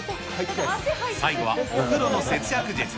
最後はお風呂の節約術。